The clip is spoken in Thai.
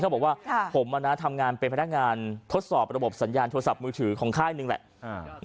บอกว่าผมทำงานเป็นพนักงานทดสอบระบบสัญญาณโทรศัพท์มือถือของค่ายหนึ่งแหละ